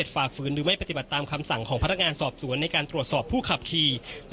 ฝ่าฝืนหรือไม่ปฏิบัติตามคำสั่งของพนักงานสอบสวนในการตรวจสอบผู้ขับขี่